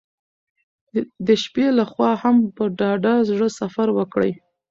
د شپې له خوا هم په ډاډه زړه سفر وکړئ.